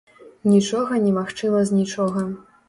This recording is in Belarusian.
Нічога немагчыма з нічога.